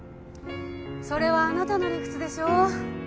それはあなたの理屈でしょ？